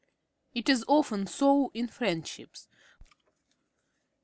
It is often so in friendships.